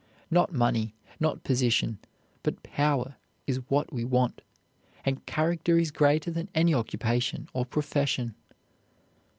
Not money, not position, but power is what we want; and character is greater than any occupation or profession.